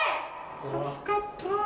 助かった。